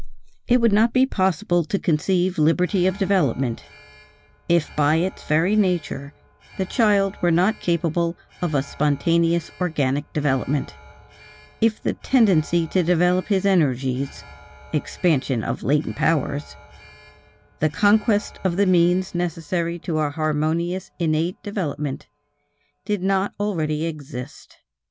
It would not be possible to conceive liberty of development, if by its very nature the child were not capable of a spontaneous organic development, if the tendency to develop his energies (expansion of latent powers), the conquest of the means necessary to a harmonious innate development, did not already exist.